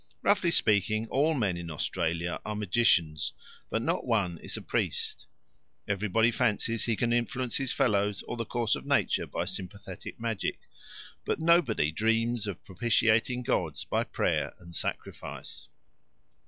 Roughly speaking, all men in Australia are magicians, but not one is a priest; everybody fancies he can influence his fellows or the course of nature by sympathetic magic, but nobody dreams of propitiating gods by prayer and sacrifice.